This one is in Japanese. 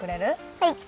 はい。